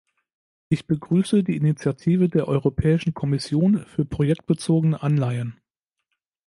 Ich begrüße die Initiative der Europäischen Kommission für projektbezogene Anleihen.